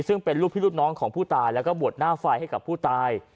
ซึ่งเป็นลูกพี่ลูกน้องของผู้ตายแล้วก็บวชหน้าไฟให้กับผู้ตาย